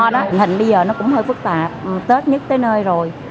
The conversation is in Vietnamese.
tình hình bây giờ cũng hơi phức tạp tết nhất tới nơi rồi